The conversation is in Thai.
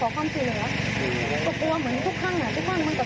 เพราะหัวติดคุกครั้งนี้คงเจ็บไปนักอะไรหรอก